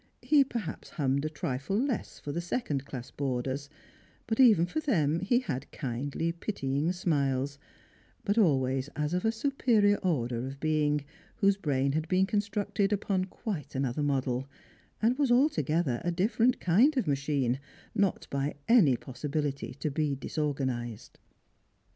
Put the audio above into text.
He perhaps hummed a trifle less for the second class boarders, but even for them he had kindly pitying smiles, but always as of a superior order of being, whose brain had been constructed ujaon quite another model, and was altogether a difi'erent kind of machine, not by any pos sibility to be disorganised.